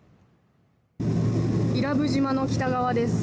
伊良部島の北側です。